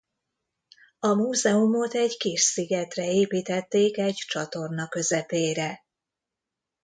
A múzeumot egy kis szigetre építették egy csatorna közepére.